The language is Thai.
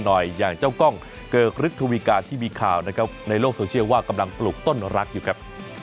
กันกันกันกันหน่อยอย่างเจ้ากล้องเกิร์กฤทธวิกาทีมีข่าวในโลกโซเชียวว่ากำลังปลูกต้นรักอยู่ครับ